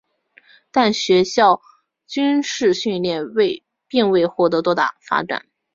但学校军事训练并未获得多大发展。